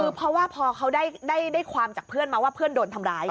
คือเพราะว่าพอเขาได้ความจากเพื่อนมาว่าเพื่อนโดนทำร้าย